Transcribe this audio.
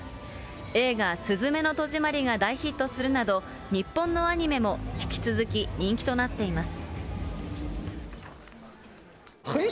映画、すずめのとじまりが大ヒットするなど、日本のアニメも引き続き人気となっています。